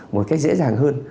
một cách dễ dàng hơn